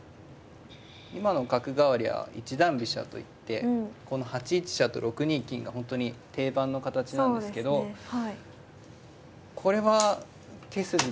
今の角換わりは一段飛車といってこの８一飛車と６二金が本当に定番の形なんですけどこれは手筋ですね。